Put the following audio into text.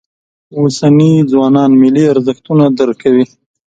اوسني ځوانان ملي ارزښتونه درک کوي.